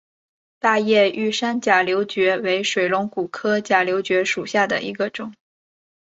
大叶玉山假瘤蕨为水龙骨科假瘤蕨属下的一个种。